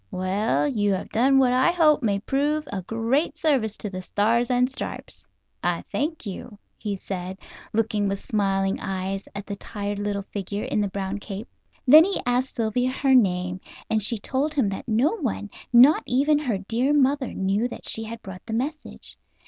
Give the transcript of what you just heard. Well, you have done what I hope may prove a great service to the Stars and Stripes. I thank you," he said, looking with smiling eyes at the tired little figure in the brown cape. Then he asked Sylvia her name, and she told him that no one, not even her dear mother, knew that she had brought the message.